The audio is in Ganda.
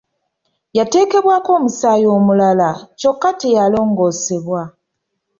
Yateekebwako omusaayi omulala kyokka teyalongoosebwa.